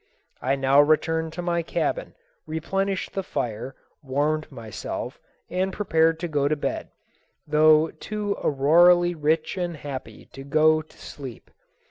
I now returned to my cabin, replenished the fire, warmed myself, and prepared to go to bed, though too aurorally rich and happy to go to sleep.